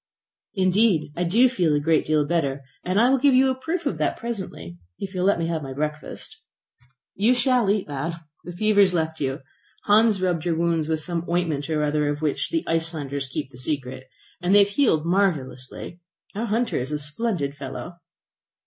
"Indeed, I do feel a great deal better, and I will give you a proof of that presently if you will let me have my breakfast." "You shall eat, lad. The fever has left you. Hans rubbed your wounds with some ointment or other of which the Icelanders keep the secret, and they have healed marvellously. Our hunter is a splendid fellow!"